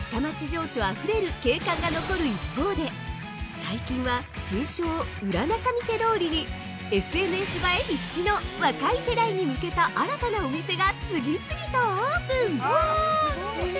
情緒あふれる景観が残る一方で、最近は、通称「裏仲見世通り」にＳＮＳ映え必至の若い世代に向けた新たなお店が次々とオープン！